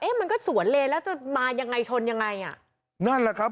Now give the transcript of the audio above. มันก็สวนเลนแล้วจะมายังไงชนยังไงอ่ะนั่นแหละครับ